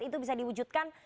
itu bisa diwujudkan